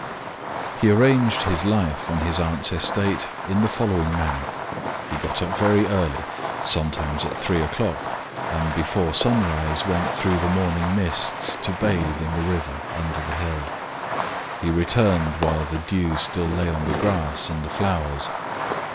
He arranged his life on his aunts' estate in the following manner. He got up very early, sometimes at three o'clock, and before sunrise went through the morning mists to bathe in the river, under the hill. He returned while the dew still lay on the grass and the flowers.